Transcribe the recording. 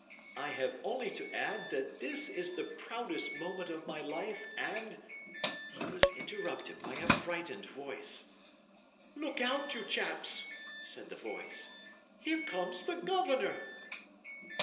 I have only to add that this is the proudest moment of my life, and " He was interrupted by a frightened voice. "Look out, you chaps," said the voice; "here comes the Governor!"